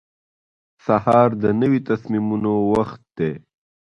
سهار د نوي تصمیمونو وخت دی.